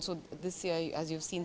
karena juga tahun ini